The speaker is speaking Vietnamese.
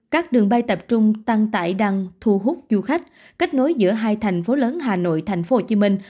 các đường bay tập trung tăng tải đăng thu hút du khách kết nối giữa hai thành phố lớn hà nội thành phố hồ chí minh